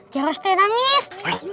jarah setiap nangis